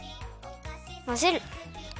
まぜる！